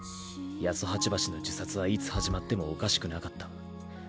八十八橋の呪殺はいつ始まってもおかしくなかった。